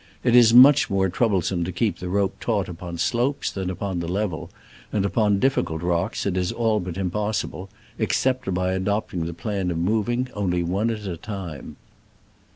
It is much more troublesome to keep the rope taut upon slopes than upon the level, and upon difficult rocks it is all but im possible, except by adopting the plan of moving only one at a time.